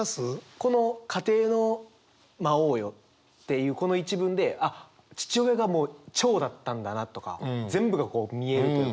この「家庭の魔王よ」っていうこの一文であっ父親が長だったんだなとか全部がこう見えるというか。